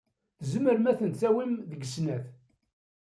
Tzemrem ad tent-tawim deg snat.